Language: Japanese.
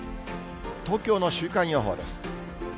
東京の週間予報です。